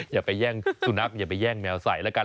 อย่าไปแย่งสุนัขอย่าไปแย่งแมวใส่แล้วกัน